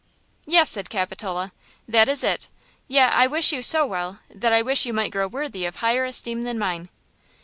"Yes," said Capitola; "that is it; yet I wish you so well that I wish you might grow worthy of higher esteem than mine."